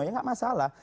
ya nggak masalah